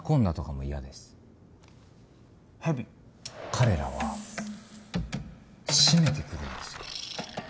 彼らは締めてくるんですよ。